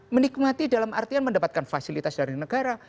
menikmati dalam artian mendapatkan fasilitas dari negara